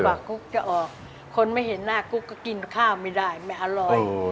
กุ๊กจะออกคนไม่เห็นหน้ากุ๊กก็กินข้าวไม่ได้ไม่อร่อย